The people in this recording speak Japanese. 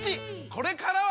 これからは！